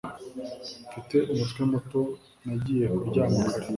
Mfite umutwe muto, nagiye kuryama kare.